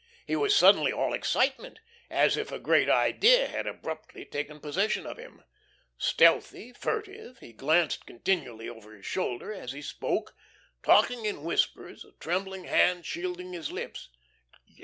He was suddenly all excitement, as if a great idea had abruptly taken possession of him. Stealthy, furtive, he glanced continually over his shoulder as he spoke, talking in whispers, a trembling hand shielding his lips.